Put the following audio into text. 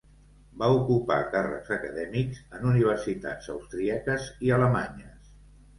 Va ocupar càrrecs acadèmics en universitats austríaques i alemanyes.